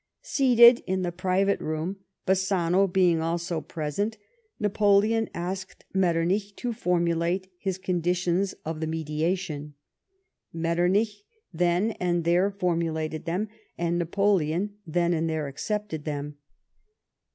Seated in the private room, Bassano being also present, Napoleon asked Metternich to formulate his conditions of the mediation. Metternich then and there formulated them, and Na})oleon then and there accepted them.